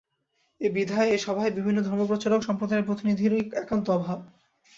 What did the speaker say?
এ বিধায়, এ সভায় বিভিন্ন ধর্মপ্রচারক-সম্প্রদায়ের প্রতিনিধির একান্ত অভাব।